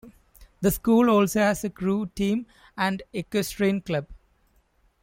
The school also has a crew team and an equestrian club.